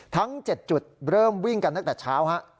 ทั้ง๗จุดเริ่มวิ่งกันตั้งแต่เช้าฮะ